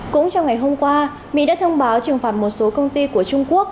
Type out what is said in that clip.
cũng trong ngày hôm qua mỹ đã thông báo trừng phạt một số công ty của trung quốc